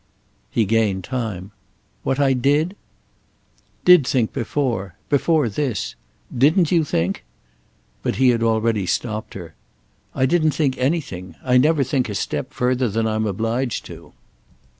He gained time. "What I did—?" "Did think before. Before this. Didn't you think—?" But he had already stopped her. "I didn't think anything. I never think a step further than I'm obliged to."